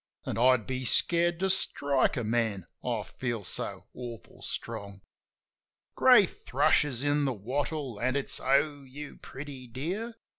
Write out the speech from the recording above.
An' I'd be scared to strike a man, I feel so awful strong. Grey thrush is in the wattle, an' it's, "O, you pretty dear!"